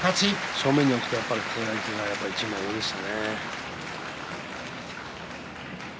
正面に置くと輝がやっぱり一枚上でしたね。